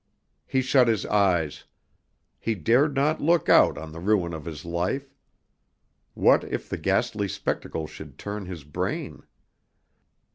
He shut his eyes. He dared not look out on the ruin of his life. What if the ghastly spectacle should turn his brain?